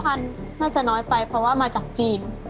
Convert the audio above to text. น่าจะน้อยไปเพราะว่ามาจากจีน